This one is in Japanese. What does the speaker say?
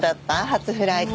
初フライト。